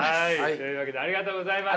というわけでありがとうございました。